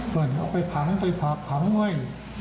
เครื่องเค้าไปขังไปหาขังไว้